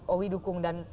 owi dukung dan